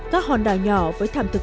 các hòn đảo nhỏ với thảm thực